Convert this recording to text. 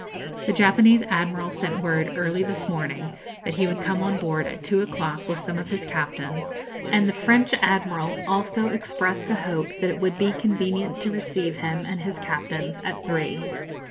The Japanese admiral sent word early this morning that he would come on board at two o'clock with some of his captains, and the French admiral also expressed a hope that it would be convenient to receive him and his captains at three.